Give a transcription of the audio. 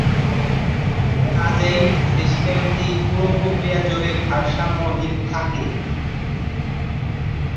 কাজেই সিস্টেমটি পুরো প্রক্রিয়া জুড়েই ভারসাম্যহীন থাকে।